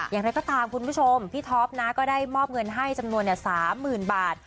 อย่างนั้นก็ตามคุณผู้ชมพี่ทอปนะก็ได้มอบเงินให้จำนวนเนี่ยสามหมื่นบาท